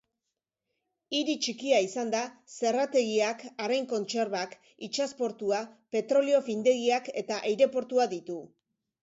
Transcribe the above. Hiri txikia izanda, zerrategiak, arrain kontserbak, itsas portua, petrolio findegiak eta aireportua ditu.